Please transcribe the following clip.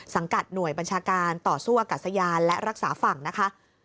กัดหน่วยบัญชาการต่อสู้อากาศยานและรักษาฝั่งนะคะ